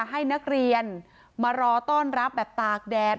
ให้นักเรียนมารอต้อนรับแบบตากแดด